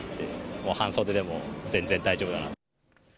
もう半袖でも全然大丈夫だなと。